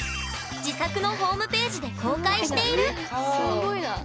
自作のホームページで公開しているすごいな。